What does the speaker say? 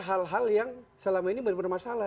hal hal yang selama ini bermasalah